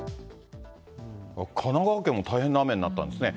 神奈川県も大変な雨になったんですね。